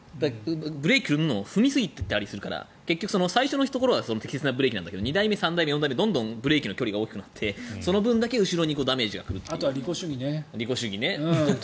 ブレーキを踏んでも踏みすぎたりするから最初のところは適切なブレーキなんだけど２台目３台目４台目でブレーキの距離が大きくなってその分だけ後ろにあとは利己主義ね。